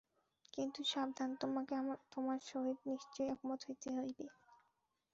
কিন্তু সাবধান, তোমাকে আমার সহিত নিশ্চয়ই একমত হইতে হইবে।